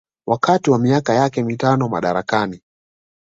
wakati wa miaka yake mitano madarakani